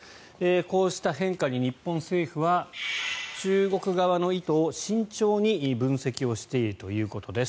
こうした変化に日本政府は中国側の意図を慎重に分析をしているということです。